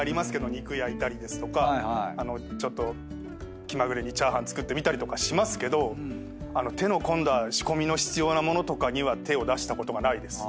肉焼いたりですとかちょっと気まぐれにチャーハン作ってみたりとかしますけど手の込んだ仕込みの必要な物とかには手を出したことがないです。